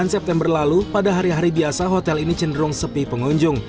sembilan september lalu pada hari hari biasa hotel ini cenderung sepi pengunjung